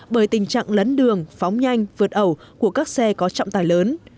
bởi tình trạng lấn đường phóng nhanh vượt ẩu của các xe có trọng tài lớn